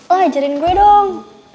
oh ajarin gue dong